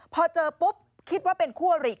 พอเจอปุ๊บคิดว่าเป็นคู่อริ